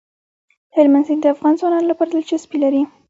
هلمند سیند د افغان ځوانانو لپاره دلچسپي لري.